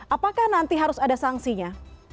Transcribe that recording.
apakah nanti harus ada sanksinya